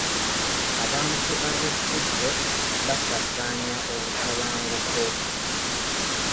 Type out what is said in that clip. Abantu ab'effujjo basaasaanya obutabanguko.